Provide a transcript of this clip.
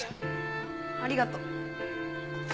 ありがとう。